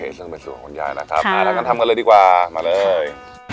โอเคส่วนผสมของคุณยายนะครับค่ะอ่าแล้วกันทำกันเลยดีกว่ามาเลย